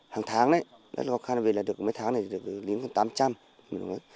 hàng tháng đấy rất là khó khăn vì là được mấy tháng này được liếm hơn tám trăm linh